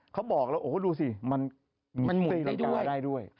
เขาบอกแล้วโอ้โหดูสิมันตีรังกาได้ด้วย